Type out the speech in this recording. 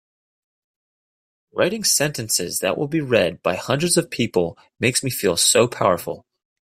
Writing sentences that will be read by hundreds of people makes me feel so powerful!